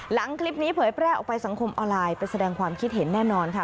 หลังคลิปนี้เผยแพร่ออกไปสังคมออนไลน์ไปแสดงความคิดเห็นแน่นอนค่ะ